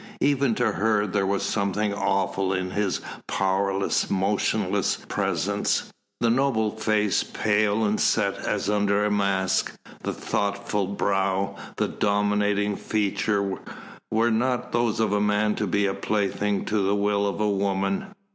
Even to her there was something awful in his powerless, motionless presence. The noble face, pale and set as under a mask, the thoughtful brow, the dominating features, were not those of a man born to be a plaything to the will of a woman.